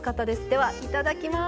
ではいただきます。